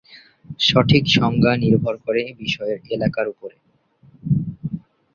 সঠিক সংজ্ঞা নির্ভর করে বিষয়ের এলাকার উপরে।